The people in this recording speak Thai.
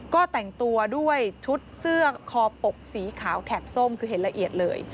ก็แต่งตัวด้วยชุดเสื้อคอปกสีขาวแถบส้มคือเห็นละเอียดเลย